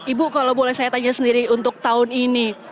ibu kalau boleh saya tanya sendiri untuk tahun ini